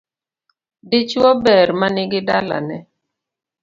Dichuo ber manigi dalane